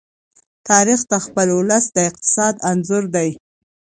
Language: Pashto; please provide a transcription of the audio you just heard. تاریخ د خپل ولس د اقتصاد انځور دی.